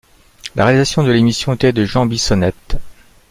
La réalisation de l'émission était de Jean Bissonnette.